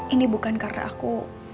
ini bukan karena aku